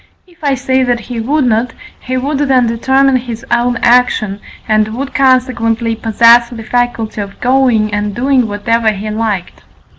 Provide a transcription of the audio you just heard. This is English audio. If I say that he would not, he would then determine his own action, and would consequently possess the faculty of going and doing whatever he liked.